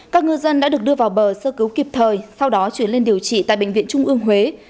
các ngư dân đã được đưa vào bờ sơ cứu kịp thời sau đó chuyển lên điều trị tại bệnh viện trung ương huế